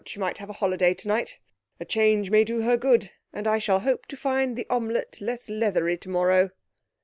She might have a holiday tonight. A change may do her good; and I shall hope to find the omelette less leathery tomorrow.'